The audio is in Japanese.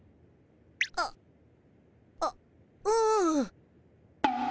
あっあっうん。